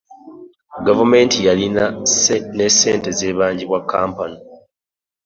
Gavumenti yalina ne ssente z'ebangibwa kkampuni